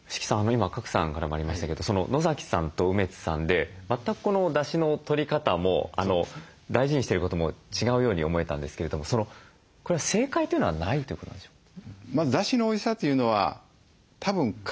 今賀来さんからもありましたけど野さんと梅津さんで全くだしのとり方も大事にしてることも違うように思えたんですけれどもこれは正解というのはないということなんでしょうか？